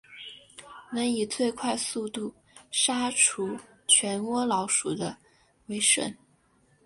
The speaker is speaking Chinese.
能以最快速度杀除全窝老鼠的为胜。